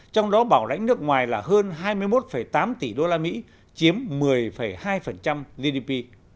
trong đó bảo rãnh nước ngoài là hơn hai mươi một tám tỷ đô la mỹ chiếm một mươi hai gdp